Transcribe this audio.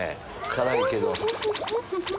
辛いけど。